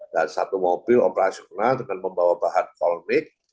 dan satu mobil operasional dengan membawa bahan kolmik